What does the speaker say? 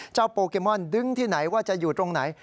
โปเกมอนดึงที่ไหนว่าจะอยู่ตรงไหน